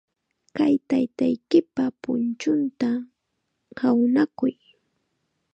Kay taytaykipa punchunta hawnakuy.